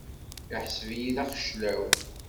Iḥseb-iyi d axeclaw.